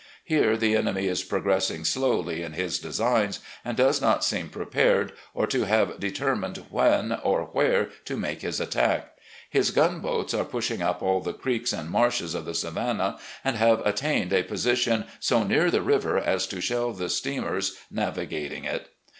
Here the enemy is progressing slowly in his designs, and does not seem prepared, or to have determined when or where to make his attack. His gunboats are pushing up all the creeks and marshes of the Savannah, and have attained a posi tion so near the river as to shell the steamers navigating it.